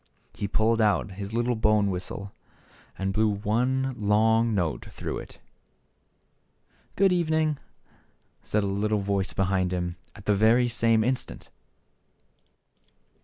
He pulled out his little bone whistle and blew one long note through it. " Good evening !" said a voice behind him, at the very same instant.